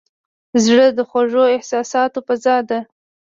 زړه د خوږو احساساتو فضا ده.